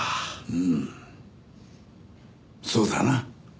うーんそうだな。